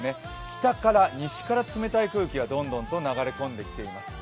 北から、西から、冷たい空気がどんどん流れ込んでいます。